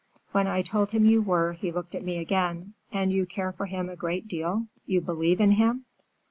When I told him you were, he looked at me again: 'And you care for him a great deal, you believe in him?